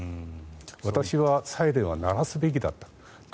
私はサイレンは鳴らすべきだったと。